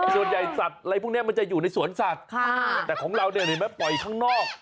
สัตว์อะไรพวกนี้มันจะอยู่ในสวนสัตว์แต่ของเราเนี่ยเห็นไหมปล่อยข้างนอก